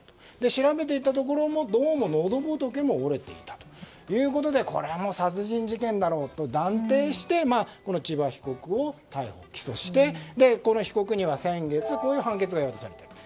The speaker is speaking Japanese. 調べていったところどうものど仏も折れていたということでこれは殺人事件だろうと断定して千葉被告を逮捕・起訴してこの被告には先月こういう判決が言い渡されました。